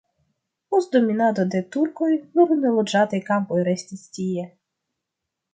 Post dominado de turkoj nur neloĝataj kampoj restis tie.